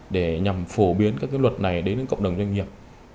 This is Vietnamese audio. để nhằm phổ biến các luật này đến cộng đồng doanh nghiệp